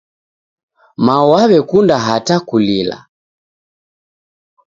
Mao waw'ekunda hata kulila.